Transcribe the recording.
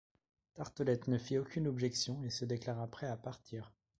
Tartelett ne fit aucune objection et se déclara prêt à partir.